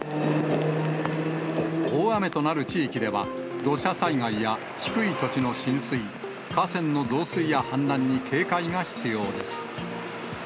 大雨となる地域では、土砂災害や低い土地の浸水、河川の増水や氾濫に警戒が必要です。